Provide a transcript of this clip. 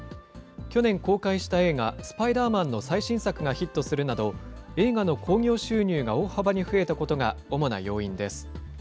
去年公開した映画、スパイダーマンの最新作がヒットするなど、映画の興行収入が大幅に増えたことが主な要因です。